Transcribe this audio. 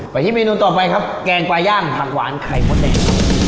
ที่เมนูต่อไปครับแกงปลาย่างผักหวานไข่มดแดง